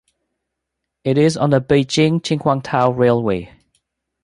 It is on the Beijing–Qinhuangdao railway.